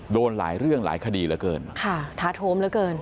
โดนหลายเรื่องหลายคดีเหลือเกิน